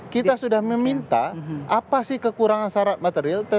kita sudah meminta apa sih kekurangan syarat material